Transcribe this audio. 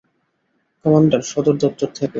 Commander, সদর দপ্তর থেকে।